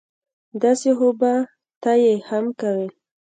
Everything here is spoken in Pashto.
داسې خو به ته یې هم کوې